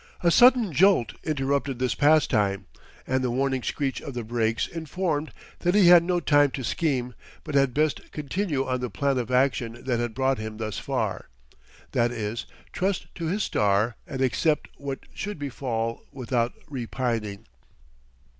A sudden jolt interrupted this pastime, and the warning screech of the brakes informed that he had no time to scheme, but had best continue on the plan of action that had brought him thus far that is, trust to his star and accept what should befall without repining.